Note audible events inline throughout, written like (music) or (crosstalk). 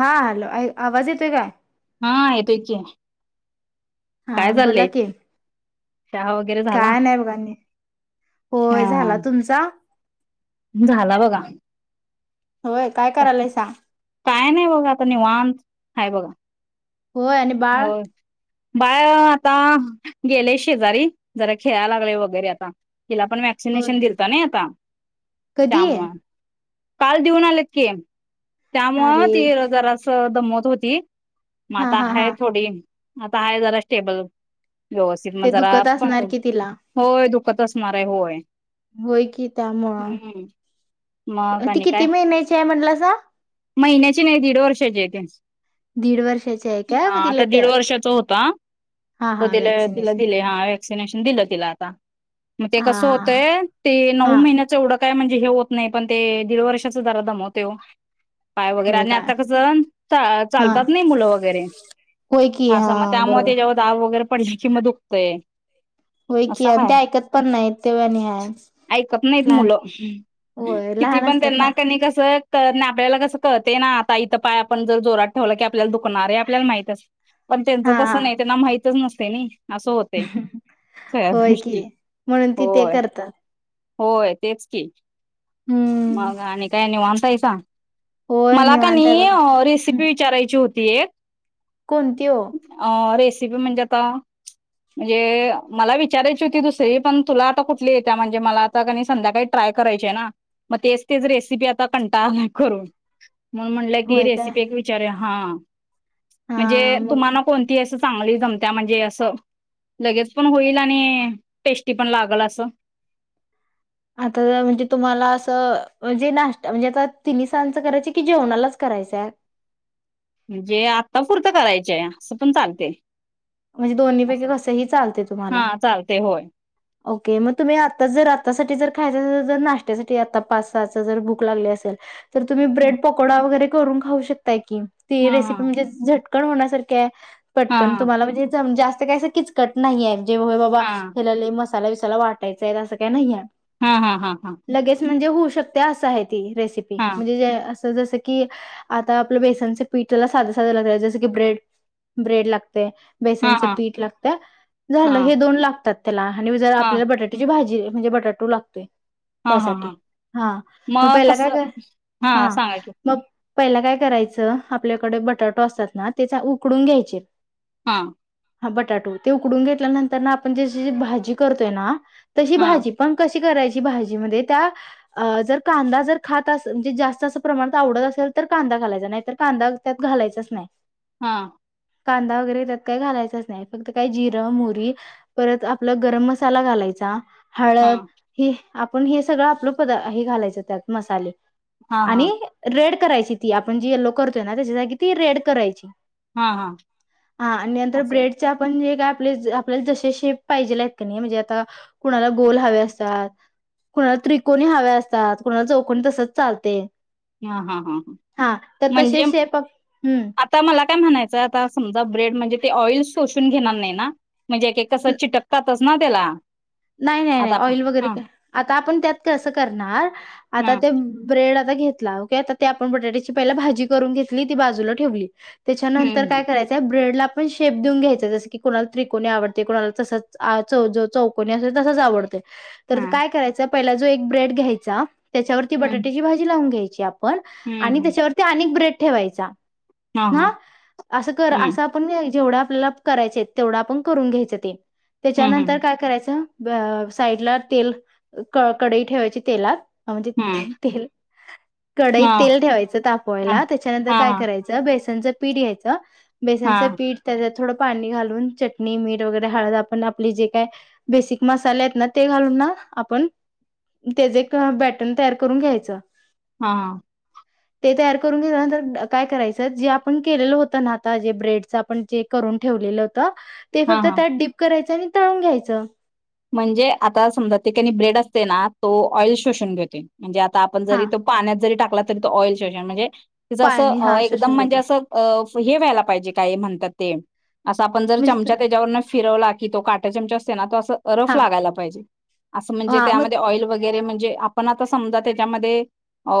हा हॅलो आवाज येतोय काय? हा येतोय की. हा काय बोला चाललंय की. चहा वगैरे झाला. काय नाही बघा आणि हा होय हा झाला. तुमचा? झाला बघा. होय. काय करायलायसा? काय नाही बघा आता निवात हाय बघा. होय. आणि बाळ? बाय आता गेलयं शेजारी जरा खेळाय लागलयं वगैरे आता. तिला पण होय वॅक्सिनेशन दिलत नई आता. कधी? त्यामुळ काल देऊन आलेत की. त्यामुळं अरे ती जरास दमत होती. मग हा आता हा हाय हा थोडी आता हाय जरा स्टेबल. व्यवस्थित मग ते जरा दुखत असणार पाठव कि तिला होय दुखत असणार हाय होय. होय कि त्यामुळं. हम्म मग ती किती महिन्याची हाय म्हणलासा? महिन्याचे नाही. दीड वर्षाची हाय ती. दीड वर्षाची आहे काय हा मग तिला आता ते दीड वर्षाचा होता. हा त हा तिला तिला वॅक्सिनेशन दिलं हा ए - - वॅक्सिनेशन दिल तिल आता. मग ते हा कसं हा होतंय ते नऊ हा महिने- - एवढं काय म्हणजे हे होत नाही पण ते दीड वर्षाच दरा दमवतयं ओ. पाय वगैरे होय आणि काय आता कसं हा चालतात नाही मुलं वगैरे. होय की हा स म त्यामुळे बरोबर त्याच्यावर दाव वगैरे पडली किंम दुखतय. होय की आणि ते ऐकत पण नाहीत तेव आणि हाय. ऐकत नाहीत लहान मुलं होय किती लहान पण असतात त्यांना ना कनी क - - स आपल्याला कसं कळतयना आता इथं पाय आपण जर जोरात ठेवला की दु खणार हे आपल्याला माहितच अस पण त्यांचं तसं हा नाही त्यांना माहितच नसतयं नाई. असं होतयं. सगळ्या होय की गोष्टी म्हणून ती ते होय. करतात होय. तेच की हम्म मग आणि काय निवांत हाईसा? होय मला निवांत आहे कनी बघा हम्म. रेसिपी विचारायची होती एक. कोणती हो अ रेसिपी म्हणजे आता म्हणजे मला विचारायची होती दुसरी पण तुला आता कुठली येत्या म्हणजे मला - - संध्याकाळी ट्राय करायचे ना मग तेच तेच रेसिपी आता कंटाळ आलाय करून. म्हणुन म्हणलं की होय काय रेसिपी एक विचारुया हां म्हणजे हा मग तुम्हाला कोणती असं - - चांगली जमत्या म्हणजे असं लगेच पण होईल आणि टेस्टी पण लागल असं. आता म्हणजे तुम्हाला असं म्हणजे नाश्ता म्हणजे आता तिनसांचं करायच की जेवणालाच कराय- - रायचयं. म्हणजे आता पुुर्त करायचय असं पण चालतयं. म्हणजे दोन्ही पैकी कसही चालते हा तुम्हाला. चालतंय होय. ओके मग तुम्ही आता जर आतासाठी जर खायच जर नाश्त्यासाठी आता पाचसाहा जर भूक लागली असेल - - तर तुम्ही ब्रेड पकोडा वगैरे करून खाऊ शकताय की ती हां, हां, रेसिपी म्हणजे झ टकन होण्यासारखी हाय. पटकन हां, तुम्हाला म्हणजे जास्त काय अस किचकट नाहीय. जेव्हा हे बाबा हां, हेला लई मसाला बिसाला वाटायचाय असं काय नाहीय. हा हा हा हा. त रेसी हां, म्हणजे जस की आता आपलं बेसनचे पीठला साधं साधं लागत जसं की ब्रेड ब्रेड लागते हां, बेसनचं हां, पीठ लागत झालं हे दोन लागतात त्याला आणि जर हां, आपल्याला बटाट्याची भाजी म्हणजे बटाटू लागते हां, हां, त्यासाठी हां. हा मग पहिला काय का हां, हा सांगा की? मग पहिला काय करायचं आपल्याकडे बटरटॉ असतात ना तेचा उकडून घ्यायचे हा हा बटाटो ते उकडून घेतल्यानंतर ना आपण जशी भाजी करतोय ना तशी हां, भाजी पण कशी करा भाज त्यार कांदा जर ख म्हणे जात प्रण आवत असे तर कांदा घालायचा नाही तर कांदा त्यात घालायचाच नाही हा कांदा वगैरे त्या काही घालायचंच नाही फक्त काय जिरं मुरी परत आपलं गरम मसाला घालायचा हळद हां, ह आपण हे सगळं आपलं प हे घालायचं त्यात मसाले हां, आणि हां, रेड करायची ती आपण जी येल्लो करतोय ना त्याच्यासाठी ती रेड करायची हा हा हा आणि नंतर ब्रेड पण जे काय आपल्या ज शेप पाहिजे आहेत का नाही म्हणजे आ कुणाला गोल हवे असतात कोुणाला त्रिकोणी हवे असतात कुणाला चौकणी तसंच चालते हा हा हा हा तर तसे म्हणजे शेप आप- हम्म आता मला काय म्हणायचं आता समजा ड म्हण ऑोून घेणार नाही म्हणजे कस चिकतातच ना त्याला नाही नाही आता नाही आपण ऑइल वगैरे हां, का आता आपण त्यात कसं करणार आता हां, ते ब्रेड घेतला ओे आता आपण बटाट्याची पहि भाजी करून घेतली ती बाजूला ठेवली त्याच्यानंतर काय हं, करायचंय ब्रेड ला आपण शेप देऊन घ्यायच जस की कोुणाला त्रिकोणी आवडते कोुणाला तसच चौ कोणी असेल तर तसच आवडते तर हां, काय करायच पहिला जो एक ब्रेड घ्यायचा त्याच्यावरती हं, बटाट्याची भाजी लावून घ्यायची आपण हं, आणि हं. त्याच्यावरती अनेक ब्रेड ठेवायचा हां, ह हां, असं कर हं, असं आपण जेवढा आप कराय तेवढ आपण करून घ्यायचं ते हं, हं, त्याच्यानंतर हं. काय करायचं साईड ला तेल कडई ठेवायची तेलात म्हणजे हां, ते तेल कडईत तेल हां, ठेवायचं तापवायला त्याच्यानंतर हां, काय हां, करायचं बेसनच पीठ यायचं बेसनं हां, पीठ त्या थोडं पाणी घालून चटणी मीठ वगैरे हळत आपण आपली जे काय बेसिक मसाले आहेत ना ते घालून ना आपण त्याचे एक बॅटर्न तयार करून घ्यायचं हा ते तयार करून घंतर काय करायचं जे आपण केलेलं होत ना जे ब्रेडं आपणे कर ठेवलेलं होत ते हां, फक्त हां. त्यात डीप करायचं आणि तळून घ्यायचं म्हणजे आता समजा त्यािकाणी ब्रेड असते ना तो ऑइल शोषून घेते म्हणजे आता आपण हा जरी तो पाण्यात जरी टाकला तरी तो ऑइल शोषण म्हणजे ति ज पाणी असं हा एकदम शोषून म्हणजे घेते असं अ हे व्हायला पाहिजे काय म्हणतात ते असं आपण जर चमचा म्हणजे त्याच्यावरन फिरवला की तो काटा चमचा असते ना तो अस रफ हा लागायला पाहिजे असं म्हणजे हा मग त्यामध्ये ऑइल वगैरे वगैरे म्हणजे आपण आता समजा त्याच्यामध्ये अ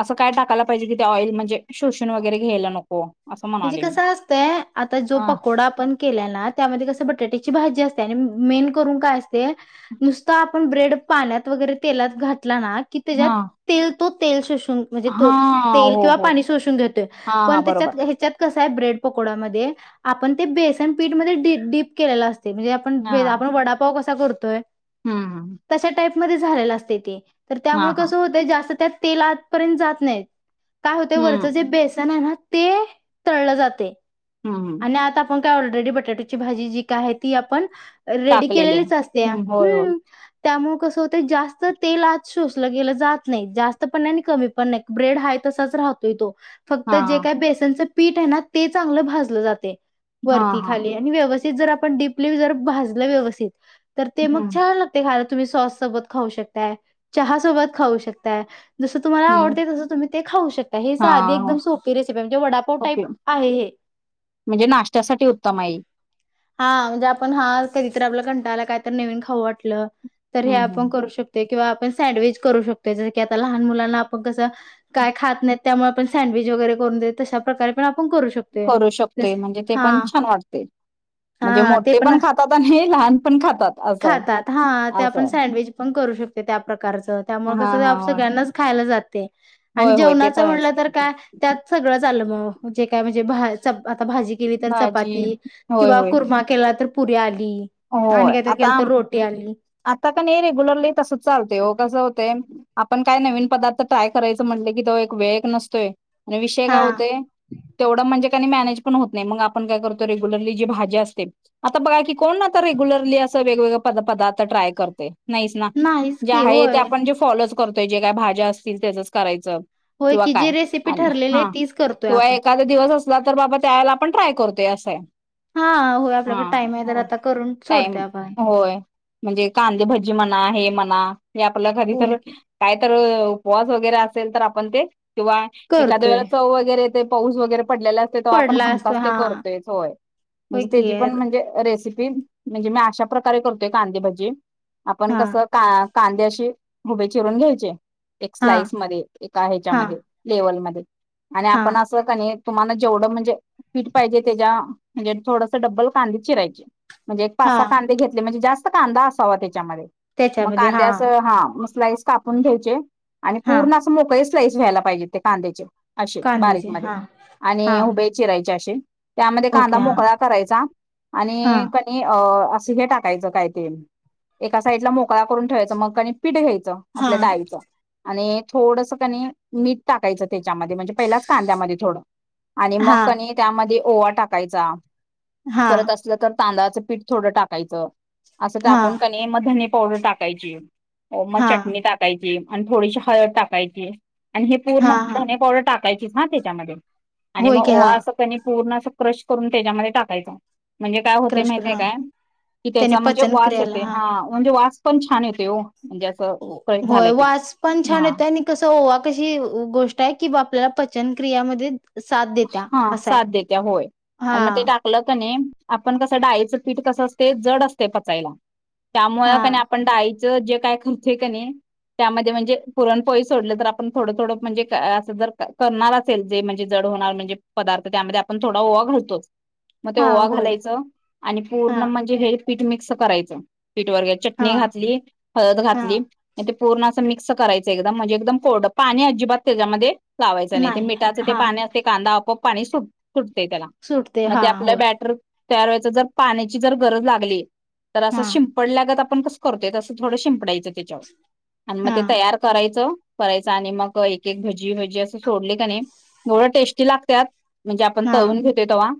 असं काय टाकायला पाहिजे कि ते ऑइल म्हणजे शोषण वगैरे घ्यायला नको असं म्हणजे म्हणाले कस मी. असतय आता जो हा पकोडा आपण केला ना त्यामध्ये कस बटाट्याची भाजी असते मे का नु आप ब्रेड पाण्यात वरेला त्या हा तो अ म्हणजे ते हा तेल हो किंवा हो पाणी शोषून घेतोय हा पण हा बरोबर. तिच्यात हे कस आहे ब्रेड पकोडा म आपण ते बेसन पीठ म डीप डीप केलेल अस ते म्हणजे आपण हा आपण वडापाव कसा करतोय हम्म हम्म तशा टाईप मध्ये झालेला असतय ते तर हा त्यामुळ हा कसं होतंय जास्त त्यात तेल आतपर्यंत जात नाही. काय होतय वरचं जे हम्म बेसन आहे ना ते तळलं जातय हम्म आणि आत आपण काय ऑलरेडी बटाटया ची भाजी जी काय आहे ती आपण रेडी टाकलेले आहे. केलेलीच असतेया हम्म होय होय हूं त्यामु कस होतय जास्त तेल आत शोषल गेल जात नाही जास्त पण नाय आणि कमी पण नाय ब्रेड हाय तसाच राहतोय तो फक्त हा जे काय बेसनच पीठ आहे ना ते चांगलं भाजलं जातय. हा वरती हा खाली आणि व्यवस्थित जर आपण डीपली जर भाजलं व्यवस्थित तर ते मग हम्म छान लागते. खायला तुम्ही सॉस सोबत खाऊ शकताय. चहा सोबत खाऊ शकताय. जस तुम्हाला हम्म आवडतय तस तुम्ही ते खाऊ शकता हे हा साध हा. एकदम सोपी रेसिपी हाय म्हणजे वडापाव टाईप (unintelligible) आहे हे म्हणजे नाशत्यासाठी उत्तम आये. हा म्हणजे आपण हा कधीतर आपल्याया कंटाळाला आला कायतर नवीन खाऊ वाटलं. तर हे हम्म आपण हम्म करू शकतोय. किंवा आपण सँडविच करू शकतोय. जस की आता लहान मुलांना आपण कसं काय खात नाहीत त्यामुळे पण सँडविच वगैरे करून देत तशा प्रकारे पण आप पण करू शकतोय. हा करू शकतोय रेसिप म्हणजे ते हा पण छान वाटते म्हणजे हा ते मोठे पण खातात आणि लहान पण खातात असं आहे खातात हा ते आपण असं सँडविच पण करू शकतोय त्या प्रकारच आहे त्यामुळ हा कस हा आप होय सगळ्यांनाच खायला जात आणि होय होय ते जेवणाच म्हटलं आहेच तर काय त्यात सगळं आलं म जे काय म्हणजे भा चपा आता भाजी केली तर भाजी चपाती होय किंवा होय मा केला तर पुरी आली. आणि होय काहीतरी केलं आता तर रोटी आली. आता कनय रेग्युलरली तसच चालतय वो कसं होतय आपण काय नवीन पदार्थ ट्राय करायचं म्हणले की तो एक वेळ एक नसतोय आणि विषय काय हा होतय तेवढ म्हणजे आणि मॅनेज पण होतं नाय मंग असपण काय करतोय रेग्युलरली जी भाजी असते आता बघा की, कोणं आता रेग्युलरली अ ते वेगवेगळे पदा पदार्थ ट्राय करतय नाहीचं ना नाहीच जे की आहे ते होय आपण जे फॉलो चं करतोय जे काय भाज्या असतील त्याजच करायचं. होय किंवा की काय जी रेसिपी आणि ठरलेली आहे हा तीच करतोय किंवा आपण एखादा दिवस अस किंवा तर बाबा त्यावेळेला आपण ट्राय करतोय असं हाय. होय आपल्याकडे हा टाइम आहे तर हो आता करून सोडतोय टाईम आपण होय. म्हणजे कांदभजी म्हणा हे म्हणा हे आपल्या घरी होय तर की काय तर उपवास वगैरे असेल तर आपण ते किंवा एखाद्या करतोय वेळे चव वगैरे येते पऊस वगैरे पडलेला असतोय तवा आपण पडला असतो हमकास ते हा करतोयचं होय होय म्हणजे की तेजी पण म्हणजे रेसि तीन म्हणजे मी अशा प्रकारे करतोय कांदेभजी आपण हा कसं का कांदे असे हुभे चिरून घ्यायचे एक हा स्लाईस मध्ये एका हा ह्याच्यामध्ये लेवलमध्ये आणि हा आपण असं कनय तुम्हाला जेवढं म्हणजे पीठ पाहिजे त्याच्या म्हणजे थोडस डब्बल कांदे चिरायचें म्हणजे एक पाच हा सहा कांदे घेतले म्हणजे जास्त कांदा असावा त्याच्यामध्ये म त्याच्यामध्ये हा कांद्या असं हा स्लाईस कापून घ्यायचे आणि हा पूर्ण असं मोकळे स्लाईस व्हायला पाहिजेत ते कांद्याचे असे बारीक कांद्याचे मध्ये हा आणि हा हुबे चिराय यचे असे त्यामध्ये कांदा ओके हा मोकळा करायचा हा आणि कनी अ असं हे टाकायचं काय ते एका साइटला मोकळा करून ठेवायचं मग आणि पीठ घ्याय चं हा आपल्या डाळीच आणि थोडसं कनी मीठ टाकायचं त्याच्यामध्ये म्हणजे पहिल्याच कांद्यामध्ये थोडं आणि मग हा कनी त्यामध्ये ओवा टाकायचा हा परत असलं तर तांदाळाचं पीठ थोडं टाकायचं असं हा टाकून कनी मग धणे पावडर टाकायची. हो मग हा चटणी टाकायची आणि थोडीशी हळद टाकायची. आणि हे पूर्ण हा हा धने पावडर टाकायचीच हा त्याच्यामध्ये आणि होय मग की हा ओवा असं कनी पूर्ण क्रश करून त्याच्यामध्ये टाकायच म्हणजे काय होतय क्रश करून माहितीये हा काय की त्या त्याने म्हणजे पचन वास क्रियाला येतय हा म्हणजे वास पण छान येतय वो होय वास पण छान हा येत आणि कस ओवा कशी गोष्ट आहे कि बा आपल्याला पचन क्रियामध्ये साथ देत्या हा असं आहे साथ देत्या होय आणि मग ते हा टाकलं त नाही आपण कसं डाळीचं पीठ कसं असते जड असते पचायला त्यामुळें हा कनाही आपण डाळी जे काय खमतय का नाही त्यामध्ये म्हणजे पुरणपोळी सोडले तर आपण थोडं थोडं म्हणजे असं जर करणार असेल जे म्हणजे जड होणार म्हणजे पदार्थ त्यामध्ये आपण थोडा ओवा घालतोच. मग ते हा ओवा होय घालायचं आणि हा पूर्ण म्हणजे हे पीठ मिक्स करायचं पीठ वगैरे हा चटणी घातली हळद हा घातली पूर्ण अस मिक्स करायचं एकदम म्हणजे एकदम कोरडं पाणी अजिबात त्याच्यामध्ये लावायचं नाही मिठाच ते पाणी असते कांदा आपोआप पाणी सुटत त्याला सुटते हा म्हणजे आपलं होय बॅटर तयार व्हायच जर पाण्याची जर गरज लागली तर अस हा शिपंडल्यागत आप आपण कसं करतोय तसं थोडं शिंपडायचं त्याच्यावर आणि मग हा ते तयार करायचं करायच आणि मग एक-एक भजी-भजी असं सोडली का नाही एवढं टेस्टी लागत्यात म्हणजे आपण हा तळून घेतो तेव्हा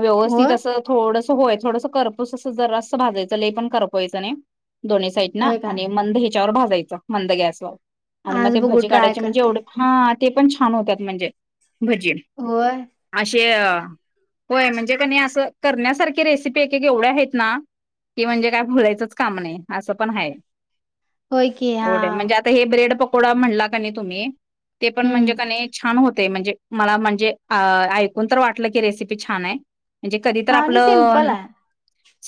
व्यवस्थित होय असं थोड होय थोडस करपस असं जर अस भाजायचं लय पण करपवायचं नाही दोन्ही साईड ना होय काय आणि मंद ह्याच्यावर भाजायचं मंद गॅसवर आणि मग आज ते बघू भजी ट्राय काढायचे म्हणजे करते. एवढे हा ते पण छान होतात म्हणजे भजी होय असे अ होय म्हणजे कनाय असं करण्यासारखी रेसिपी एक-एक एवढ्या आहेत ना की म्हणजे काय बोलायचंच काम नाही असं पण आहे. होय की हा एवढे म्हणजे आता हे ब्रेड पकोडे म्हनला का नाय तुम्ही ते पण हम्म म्हणजे का नाय छान होत म्हणजे मला म्हणजे ऐकून तर वाटलं की रेसिपी छान आहे. ते म्हणजे कधी तर हा आणि आपलं सिम्पल आहे.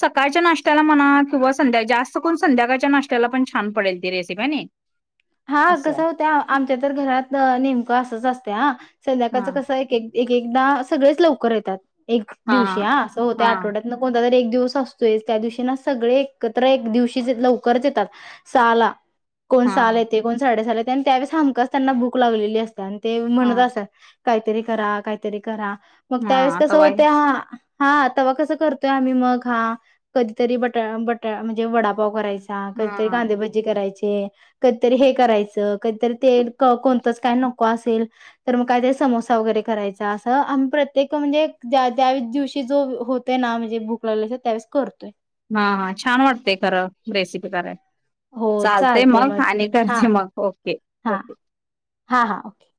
सकाळच्या नाश्त्याला मना किंवा संध्या जास्त कोण संध्याकाळच्या नाशत्याला पण छान पडेल ती रेसिपी आहे ना हा कसं होत आमच्या तर घरात नेमकं असंच असत हा संध्याकाळच हा कसं एक-एक एक एकदा सगळेच लवकर येतात एक हा दिवशी ह असं होत हा आठवड्यात न कोणता तरी एक दिवस असतोय त्या दिवशी ना सगळे एकत्र एक दिवशी लवकरच येतात सहाला कोण हा सहाला येते कोण साडे सहाला येते आणि त्यावेळेस हमखास त्यांना भूक लागलेली असते आणि ते हा म्हणत असत काहीतरी करा-काहीतरी करा मग हा त्यावेेळेस आता कसं वय होत हा हा तेव्हा कसं करतोय आम्ही मग हा कधीतरी बटा-बटा म्हणजे वडापाव करायच हा कधीतरी कांदेभजी करायचे कधीतरी हे करायचं कधीतरी ते कोणतंच काय नको असेल तर मग काय तरी समोसा वगैरे करायचा अस अमी प्रत्येक मनजे ज्या-ज्या दिवशी होतय ना म्हणजे भूक लागली त्यावेळेस करतोय. हा हा छान वाटतेय खरं रेसिपी कराय हो चालतेय चालतंय मग आणि हा करते मग ओके हा ओके हा हा ओके